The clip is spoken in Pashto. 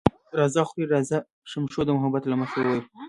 راځه خورې، راځه، شمشو د محبت له مخې وویل.